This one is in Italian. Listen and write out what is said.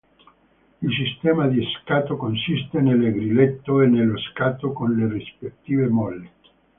Il sistema di scatto consiste nel grilletto e nello scatto con le rispettive molle.